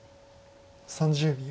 ３０秒。